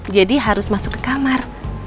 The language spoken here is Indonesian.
jadi harus masuk ke kamar